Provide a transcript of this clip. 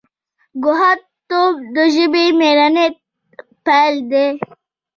ګوښه توب د ژبې د مړینې پیل دی.